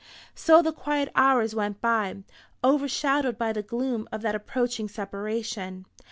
So the quiet hours went by, overshadowed by the gloom of that approaching separation.